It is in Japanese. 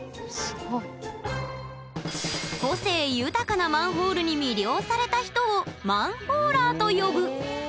個性豊かなマンホールに魅了された人をマンホーラーと呼ぶ。